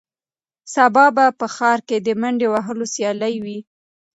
سبا به په ښار کې د منډې وهلو سیالي وي.